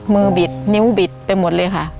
บิดนิ้วบิดไปหมดเลยค่ะ